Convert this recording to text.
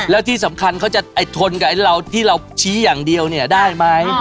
แล้วที่สำคัญเขาจะไอ้ทนกับไอ้เราที่เราชี้อย่างเดียวเนี่ยได้ไหม